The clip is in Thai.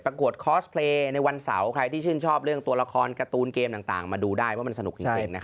กวดคอสเพลย์ในวันเสาร์ใครที่ชื่นชอบเรื่องตัวละครการ์ตูนเกมต่างมาดูได้ว่ามันสนุกจริง